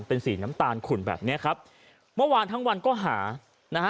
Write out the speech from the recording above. เป็นสีน้ำตาลขุ่นแบบเนี้ยครับเมื่อวานทั้งวันก็หานะฮะ